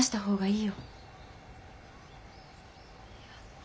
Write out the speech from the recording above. いや。